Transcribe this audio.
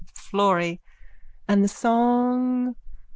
FLORRY: And the song?